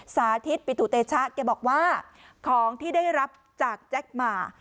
สาธิตปิตุเตชะแกบอกว่าของที่ได้รับจากแจ็คหมา